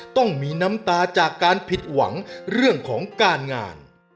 ต้องมีน้ำตาจากการผิดหวังเรื่องของการงาน